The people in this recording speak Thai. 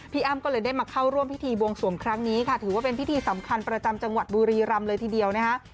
อ้ำก็เลยได้มาเข้าร่วมพิธีบวงสวงครั้งนี้ค่ะถือว่าเป็นพิธีสำคัญประจำจังหวัดบุรีรำเลยทีเดียวนะคะ